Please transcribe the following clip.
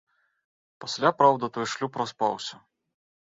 Пасля, праўда, той шлюб распаўся.